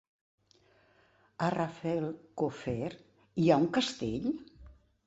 A Rafelcofer hi ha un castell?